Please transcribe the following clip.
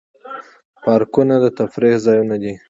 پارکونه د تفریح ځایونه دي